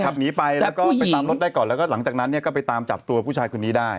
ขับหนีไปแล้วก็ไปตามรถได้ก่อนแล้วก็หลังจากนั้นเนี่ยก็ไปตามจับตัวผู้ชายคนนี้ได้